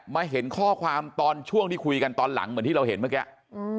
เห็นข้อความตอนช่วงที่คุยกันตอนหลังเหมือนที่เราเห็นเมื่อกี้